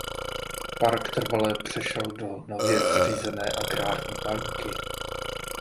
Pak trvale přešel do nově zřízené Agrární banky.